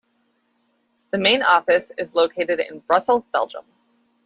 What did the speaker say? The main office is located in Brussels, Belgium.